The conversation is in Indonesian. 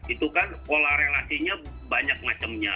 itu kan pola relasinya banyak macamnya